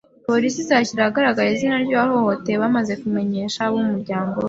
Polisi izashyira ahagaragara izina ry’uwahohotewe bamaze kumenyesha abo mu muryango we